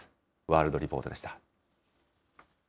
ワールドリポートでした。